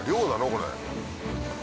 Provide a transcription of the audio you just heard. これ。